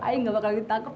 ayah gak bakal ditangkap